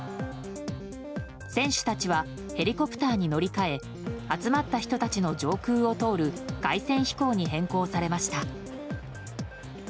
選手たちはヘリコプターに乗り換え集まった人たちの上空を通る凱旋飛行に変更されました。